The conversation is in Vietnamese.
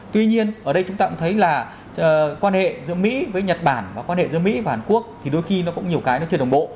tuy nhiên ở đây chúng ta cũng thấy là quan hệ giữa mỹ với nhật bản và quan hệ giữa mỹ và hàn quốc thì đôi khi nó cũng nhiều cái nó chưa đồng bộ